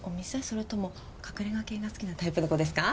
それとも隠れ家系が好きなタイプの子ですか？